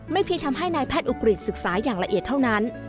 เพียงทำให้นายแพทย์อุกฤษศึกษาอย่างละเอียดเท่านั้น